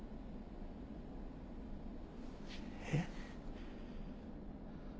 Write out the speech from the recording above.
えっ？